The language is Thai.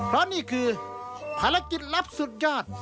เพราะนี่คือภารกิจลับสุดยอด